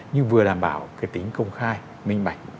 nhưng vừa đảm bảo cái tính công khai minh bạch